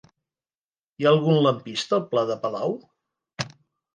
Hi ha algun lampista al pla de Palau?